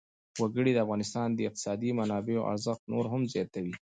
وګړي د افغانستان د اقتصادي منابعو ارزښت نور هم زیاتوي.